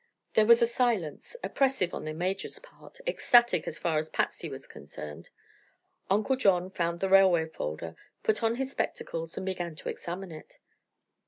There was a silence, oppressive on the Major's part, ecstatic as far as Patsy was concerned. Uncle John found the railway folder, put on his spectacles, and began to examine it.